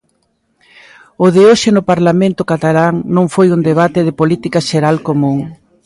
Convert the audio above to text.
O de hoxe no Parlamento catalán non foi un Debate de Política Xeral común.